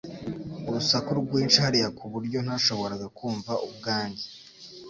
Urusaku rwinshi hariya ku buryo ntashoboraga kumva ubwanjye